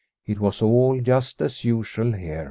It was all just as usual here.